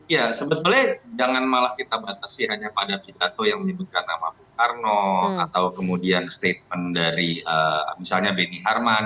ya sebetulnya jangan malah kita batasi hanya pada pidato yang menyebutkan nama bung karno atau kemudian statement dari misalnya benny harman